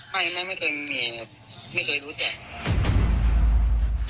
ไม่ไม่เคยมีครับไม่เคยรู้จัก